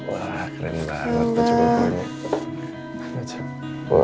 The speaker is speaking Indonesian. wah keren banget baju koponya